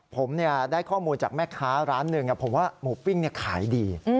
ผมได้ข้อมูลจากแม่ค้าร้านหนึ่งผมว่าหมูปิ้งขายดี